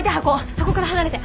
箱から離れて！